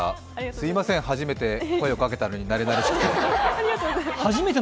すみません、初めて声をかけたのになれなれしくて。